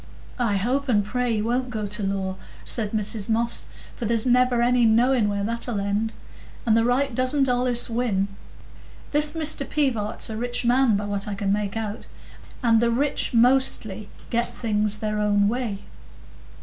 "I hope and pray he won't go to law," said Mrs Moss, "for there's never any knowing where that'll end. And the right doesn't allays win. This Mr Pivart's a rich man, by what I can make out, and the rich mostly get things their own way."